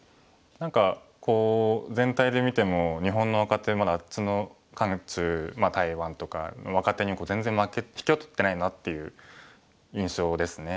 何かこう全体で見ても日本の若手あっちの韓中台湾とかの若手に全然引けを取ってないなっていう印象ですね。